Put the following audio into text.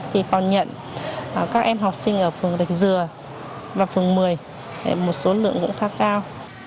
thì còn nhận các em học sinh ở phường rạch dừa và phường một mươi một số lượng cũng khá cao